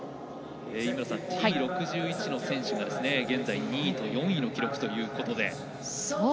Ｔ６１の選手が現在、２位と４位の記録ということで。